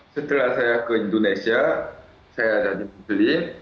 setelah saya ke indonesia saya jadi muslim